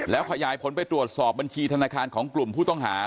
แล้วขยายผลไปตรวจสอบบัญชีธนาคารของกลุ่มผู้ต้องหา